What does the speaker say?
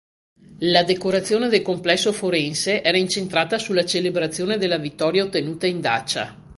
La decorazione del complesso forense era incentrata sulla celebrazione della vittoria ottenuta in Dacia.